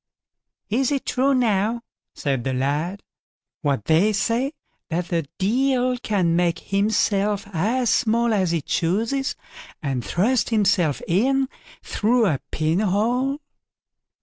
"Is it true, now", said the lad, "what they say, that the Deil can make himself as small as he chooses, and thrust himself in through a pinhole?"